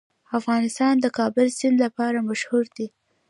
افغانستان د د کابل سیند لپاره مشهور دی.